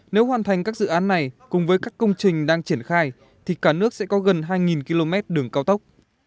nếu hoàn thành các dự án này cùng với các công trình đang triển khai thì cả nước sẽ có gần hai km đường cao tốc